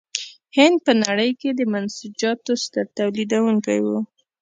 هند په نړۍ کې د منسوجاتو ستر تولیدوونکی و.